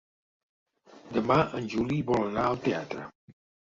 Demà en Juli vol anar al teatre.